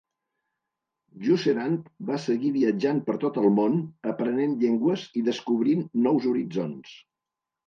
Jusserand va seguir viatjant per tot el món, aprenent llengües i descobrint nous horitzons.